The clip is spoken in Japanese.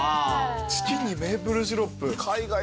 チキンにメープルシロップ海外だなぁ。